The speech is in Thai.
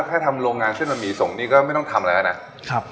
ถ้าทำโรงงานเส้นบะหมี่ส่งนี่ก็ไม่ต้องทำอะไรแล้วนะครับ